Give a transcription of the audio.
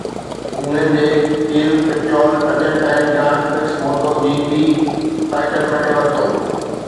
England جي Cal Crutchlow Argentine Grand Prix Moto G P title کٽي ورتو